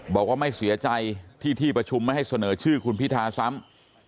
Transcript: บอกว่าไม่เสียใจที่ที่ประชุมไม่ให้เสนอชื่อคุณพิธาซ้ำ